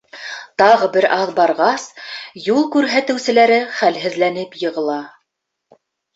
Тағы бер аҙ барғас, юл күрһәтеүселәре хәлһеҙләнеп йығыла.